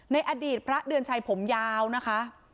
ในอดีตพระเดือนชัยผมยาวนะคะ